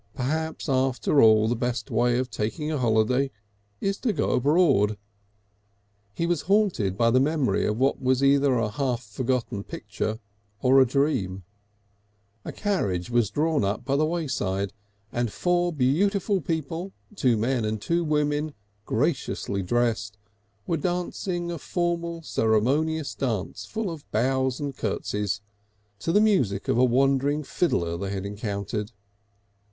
Perhaps after all the best way of taking a holiday is to go abroad. He was haunted by the memory of what was either a half forgotten picture or a dream; a carriage was drawn up by the wayside and four beautiful people, two men and two women graciously dressed, were dancing a formal ceremonious dance full of bows and curtseys, to the music of a wandering fiddler they had encountered.